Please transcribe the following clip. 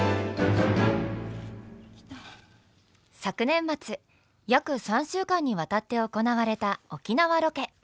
昨年末約３週間にわたって行われた沖縄ロケ。